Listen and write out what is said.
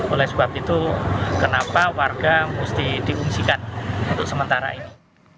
oleh sebab itu kenapa warga mesti diungsikan untuk sementara ini